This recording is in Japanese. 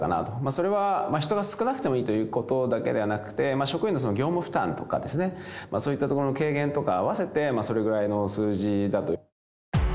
それは人が少なくてもいいということだけではなくて、職員の業務負担とかですね、そういったところの軽減とか合わせて、それぐらいの数字だと。